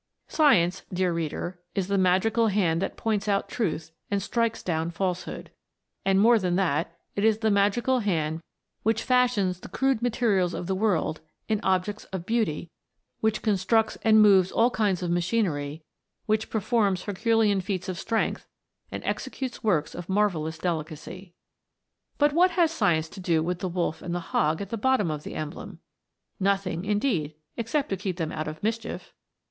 Science, dear reader, is the magical hand that points out truth and strikes down falsehood ; and, more than that, it is the magical hand which fashions the crude materials of the world in objects of beauty, which constructs and moves all kinds of machinery, which performs Herculean feats of strength, and executes works of marvellous delicacy. But what has Science to do with the wolf and the hog at the bottom of the emblem? Nothing, indeed, except to keep them out of mischief!